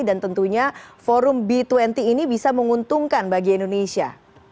dan tentunya forum b dua puluh ini bisa menguntungkan bagi indonesia